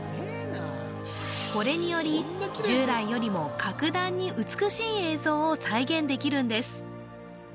これにより従来よりも格段に美しい映像を再現できるんです